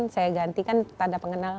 saya ganti kan tanda pengenal